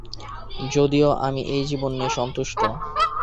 যদিও আমি এই জীবন নিয়ে সন্তুষ্ট।